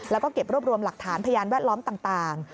แล้วก็เก็บรวบรวมหลักฐานพยานแวดล้อมต่าง